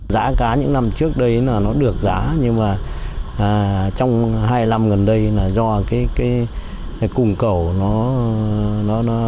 giá cá những năm trước đây là nó được giá nhưng mà trong hai năm gần đây là do cái cung cầu nó